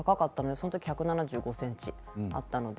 その時１７５ｃｍあったので。